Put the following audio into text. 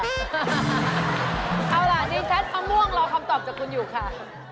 เอาล่ะดิฉันมะม่วงรอคำตอบจากคุณอยู่ค่ะ